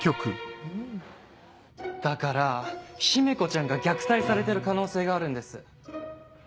だから姫子ちゃんが虐待されてる可能性があるんです。